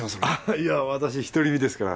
いや私独り身ですから。